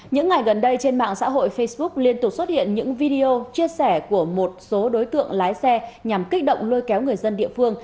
những ngày gần đây trên mạng xã hội facebook liên tục xuất hiện những video chia sẻ của một số đối tượng lái xe nhằm kích động lôi kéo người dân địa phương